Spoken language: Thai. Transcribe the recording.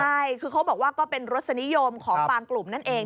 ใช่คือเขาบอกว่าก็เป็นรสนิยมของบางกลุ่มนั่นเอง